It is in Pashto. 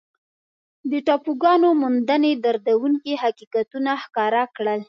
د ټاپوګانو موندنې دردونکي حقیقتونه ښکاره کړل.